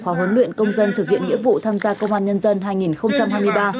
khóa huấn luyện công dân thực hiện nghĩa vụ tham gia công an nhân dân hai nghìn hai mươi ba